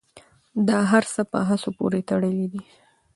دا هر څه په هڅو پورې تړلي دي.